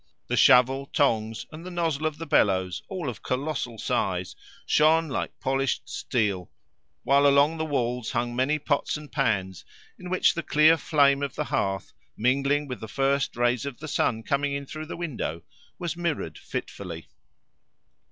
The shovel, tongs, and the nozzle of the bellows, all of colossal size, shone like polished steel, while along the walls hung many pots and pans in which the clear flame of the hearth, mingling with the first rays of the sun coming in through the window, was mirrored fitfully.